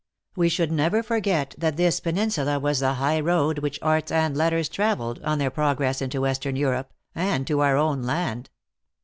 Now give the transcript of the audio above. We should never forget that this penin sula was the high road which arts and letters traveled on their progress into Western Europe, arid to our own land."